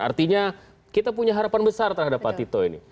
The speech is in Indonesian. artinya kita punya harapan besar terhadap patito ini